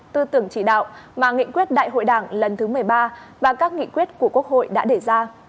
tư tưởng chỉ đạo mà nghị quyết đại hội đảng lần thứ một mươi ba và các nghị quyết của quốc hội đã đề ra